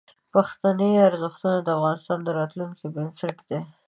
پښتني ارزښتونه د افغانستان د راتلونکي بنسټ دي.